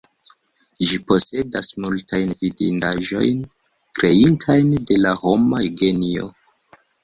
Ĝi posedas multajn vidindaĵojn, kreitajn de la homa genio.